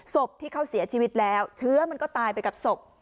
ศพที่เขาเสียชีวิตแล้วเชื้อมันก็ตายไปกับศพ